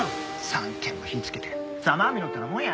３軒も火つけてざまあみろってなもんや。